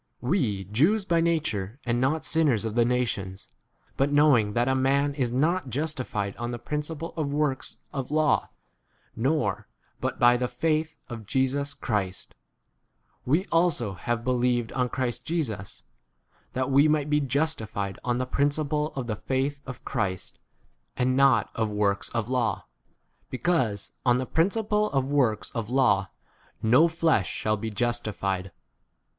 We, Jews by nature, and 5 not sinners of [the] nations, but 7 knowing that a man is not justi fied on the principle of works of law [nor a ] but by the faith of Jesus Christ, we also have be lieved on Christ Jesus, that we might be justified on the principle of [the] faith of Christ, and not of works of law ; because on the principle of works of law no flesh : shall be justified.